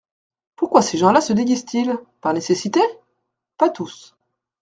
Pourquoi ces gens-là se déguisent-ils ? Par nécessité ? Pas tous.